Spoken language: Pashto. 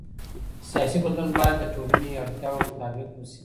سیاسي بدلون باید د ټولنې اړتیاوو مطابق وشي